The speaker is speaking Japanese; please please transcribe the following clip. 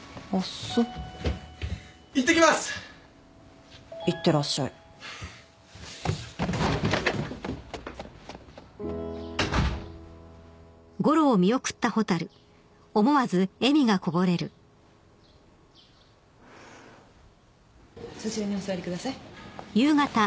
そちらにお座りください。